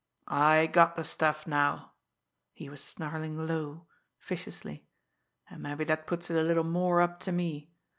"I got the stuff now" he was snarling low, viciously "and mabbe that puts it a little more up to me.